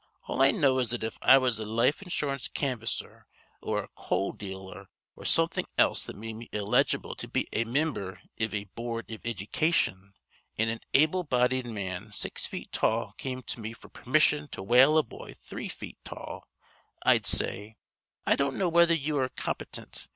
All I know is that if I was a life insurance canvasser or a coal dealer or something else that made me illegible to be a mimber iv a boord iv iddycation, an' an able bodied man six feet tall come to me f'r permission to whale a boy three feet tall, I'd say: 'I don't know whether ye are compitint.